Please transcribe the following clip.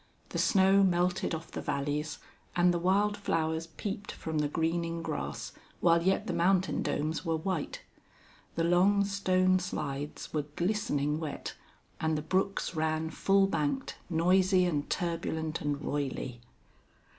The snow melted off the valleys, and the wild flowers peeped from the greening grass while yet the mountain domes were white. The long stone slides were glistening wet, and the brooks ran full banked, noisy and turbulent and roily.